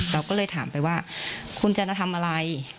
เราก็เลยถามไปว่าคุณจะมาทำอะไร